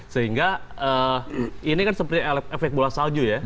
sehingga ini kan seperti efek bola salju ya